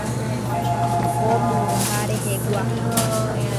Ko mymba rehegua.